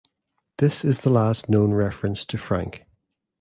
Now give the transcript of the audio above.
This is the last known reference to Frank.